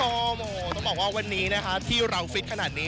ต้องบอกว่าวันนี้ที่เราฟิตขนาดนี้